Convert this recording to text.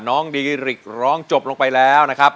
น้องดีริกร้องจบลงไปแล้วนะครับ